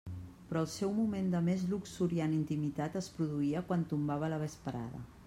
Però el seu moment de més luxuriant intimitat es produïa quan tombava la vesprada.